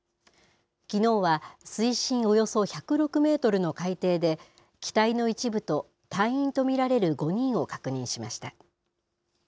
きのうは水深およそ１０６メートルの海底で、機体の一部と、隊員と見られる５人を確認しました。